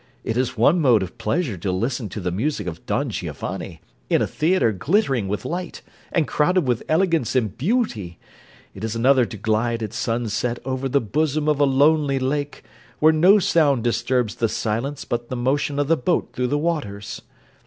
It is one mode of pleasure to listen to the music of 'Don Giovanni,' in a theatre glittering with light, and crowded with elegance and beauty: it is another to glide at sunset over the bosom of a lonely lake, where no sound disturbs the silence but the motion of the boat through the waters.